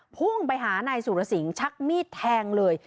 พุ่งไปหานายสุรสิงห์ชักมีดแทงเลย